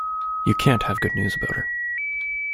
You can't have good news about her.